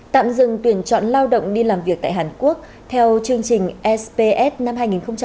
tạm dừng tuyển chọn lao động đi làm việc tại hàn quốc theo chương trình sps năm hai nghìn một mươi sáu